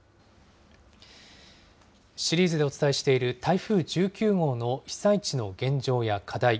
シリーズでお伝えしている、台風１９号の被災地の現状や課題。